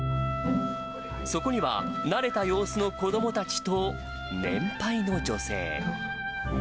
そこには、慣れた様子の子どもたちと年配の女性。